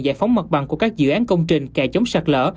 giải phóng mặt bằng của các dự án công trình kè chống sạt lỡ